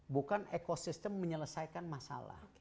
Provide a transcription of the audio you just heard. bukan ekosistem menyelesaikan masalah